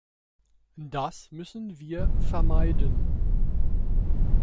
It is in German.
Das müssen wir vermeiden.